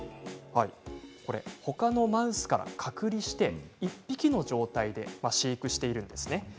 ほかのマウスから隔離して１匹の状態で飼育しているんですね。